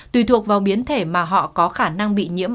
tùy thuộc vào biến thể mà họ có khả năng bị nhiễm